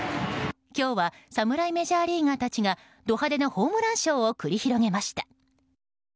今日は侍メジャーリーガーたちがド派手なホームランショーを繰り広げました。